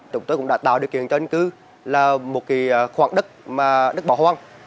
chúng tôi cũng đã tạo điều kiện cho anh cư là một cái khoảng đất mà đất bỏ hoang